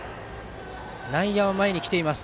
内野は前に来ています。